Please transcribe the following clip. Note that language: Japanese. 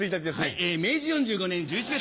はい明治４５年１１月。